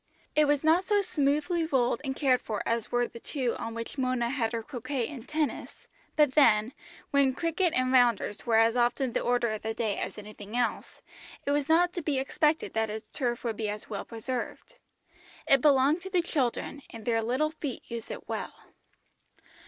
It was not so smoothly rolled and cared for as were the two on which Mona had her croquet and tennis, but then, when cricket and rounders were as often the order of the day as anything else, it was not to be expected that its turf would be as well preserved. It belonged to the children, and their little feet used it well.